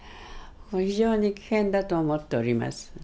非常に危険だと思っております。